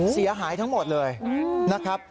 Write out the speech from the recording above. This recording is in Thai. เสียหายทั้งหมดเลยนะครับ